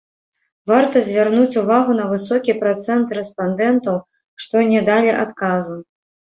Варта звярнуць увагу на высокі працэнт рэспандэнтаў, што не далі адказу.